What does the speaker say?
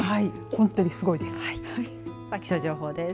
本当にすごいです。